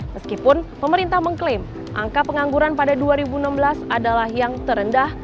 meskipun pemerintah mengklaim angka pengangguran pada dua ribu enam belas adalah yang terendah